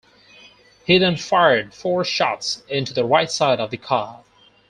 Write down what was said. He then fired four shots into the right side of the car.